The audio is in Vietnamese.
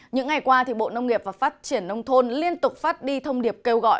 những ngày qua bộ nông nghiệp và phát triển nông thôn liên tục phát đi thông điệp kêu gọi